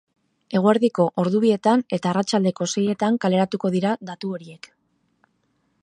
Eguerdiko ordu bietan eta arratsaldeko seietan kaleratuko dira datu horiek.